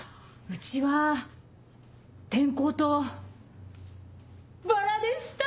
うちは転校とバラでした！